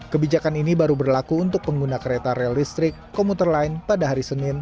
kebijakan ini baru berlaku untuk pengguna kereta rel listrik komuter lain pada hari senin